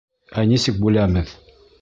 Ә нисек бүләбеҙ?